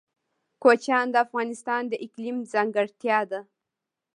کوچیان د افغانستان د اقلیم ځانګړتیا ده.